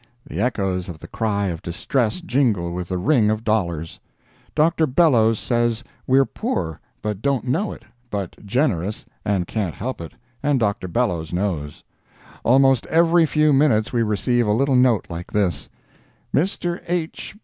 The echoes of the cry of distress jingle with the ring of dollars. Dr. Bellows says we're poor but don't know it, but generous, and can't help it, and Dr. Bellows knows. Almost every few minutes we receive a little note like this: "Mr. H.